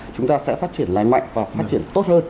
chúng ta sẽ phát triển lành mạnh và phát triển tốt hơn